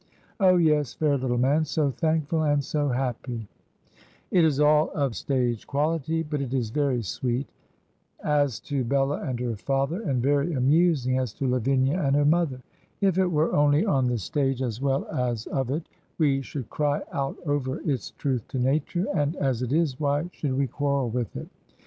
Oh, yes, fair httle man, so thankful and so happy I'" It is all of stage quality, but it is very sweet, as to Bella and her father, and very amusing as to Lavinia and her mother. If it were only on the stage as well as 159 Digitized by VjOOQIC HEROINES OF FICTION of it, we should cry out over its truth to nature; and as it is, why should we quarrel with it?